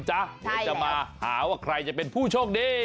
เดี๋ยวจะมาหาว่าใครจะเป็นผู้โชคดี